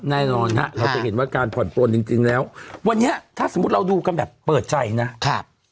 แน่นอนฮะเราจะเห็นว่าการผ่อนปลนจริงแล้ววันนี้ถ้าสมมุติเราดูกันแบบเปิดใจนะครับ